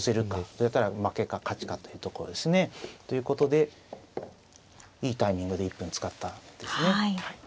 どうやったら負けか勝ちかというところですね。ということでいいタイミングで１分使ったんですね。